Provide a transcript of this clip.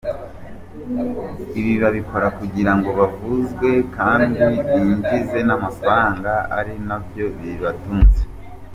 Ibi babikora kugirango bavugwe kandi binjize n’amafaranga, ari nabyo bibatunze.